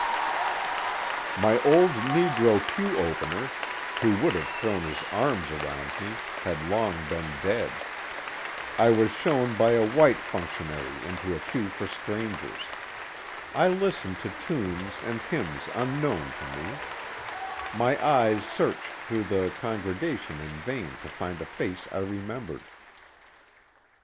IN OLD VIRGINIA AGAIN / 299 My old negro pew opener, who would have thrown his arms around me, had long been dead; I was shown by a white functionary into a pew for strangers ; I listened to tunes and hymns unknown to me ; my eyes searched through the con gregation in vain to find a face I remembered.